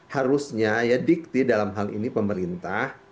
harusnya ya dikti dalam hal ini pemerintah